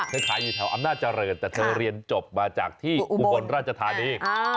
ขายอยู่แถวอำนาจเจริญแต่เธอเรียนจบมาจากที่อุบลราชธานี